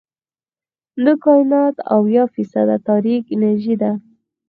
د کائنات اويا فیصده تاریک انرژي ده.